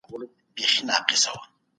هغه په دولتي ښوونځي کې تدریس کوي.